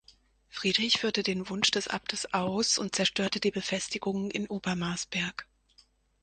Friedrich führte den Wunsch des Abtes aus und zerstörte die Befestigungen in Obermarsberg.